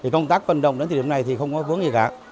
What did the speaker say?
công tác vận động đến thời điểm này thì không có vướng gì cả